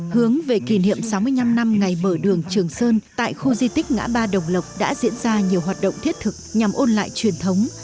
hướng về kỷ niệm sáu mươi năm năm ngày mở đường trường sơn tại khu di tích ngã ba đồng lộc đã diễn ra nhiều hoạt động thiết thực nhằm ôn lại truyền thống